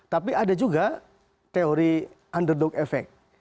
tapi ada juga teori underdog efek